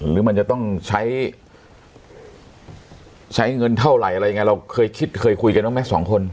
หรือมันจะต้องใช้ใช้เงินเท่าไหร่อะไรยังไงเราเคยคิดเคยคุยกันบ้างไหมสองคน